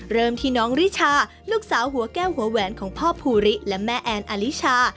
เริ่มที่น้องริชาลูกสาวหัวแก้วหัวแหวนของพ่อภูริและแม่แอนอลิชา